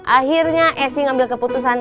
akhirnya esi ngambil keputusan